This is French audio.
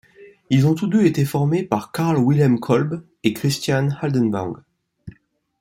Ils ont tous deux été formés par Carl Wilhelm Kolbe et Christian Haldenwang.